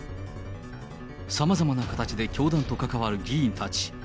さまざまな形で教団と関わる議員たち。